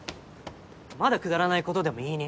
まだくだらないことでも言いに？